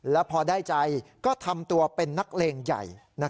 แล้วพอได้ใจก็ทำตัวเป็นนักเลงใหญ่